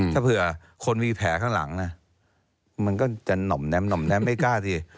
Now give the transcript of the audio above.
ถ้าเผื่อคนมีแผลข้างหลังมันก็จะหน่อมแ้มไม่กล้าสิ